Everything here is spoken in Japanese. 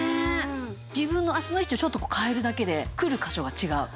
自分の脚の位置をちょっと変えるだけでくる箇所が違う。